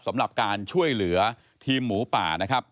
สำหรับการช่วยเหลือทีมหมูป่านะครับ